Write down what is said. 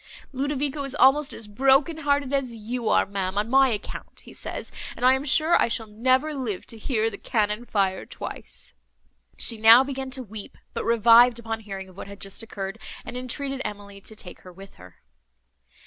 Ludovico is almost as broken hearted as you are, ma'am, on my account, he says, and I am sure I shall never live to hear the cannon fire twice!" She now began to weep, but revived upon hearing of what had just occurred, and entreated Emily to take her with her.